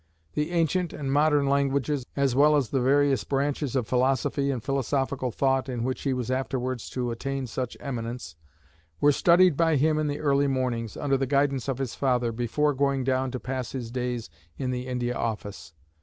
The ancient and modern languages, as well as the various branches of philosophy and philosophical thought in which he was afterwards to attain such eminence, were studied by him in the early mornings, under the guidance of his father, before going down to pass his days in the India Office.